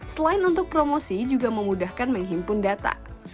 selain untuk promosi juga memudahkan menghimpun data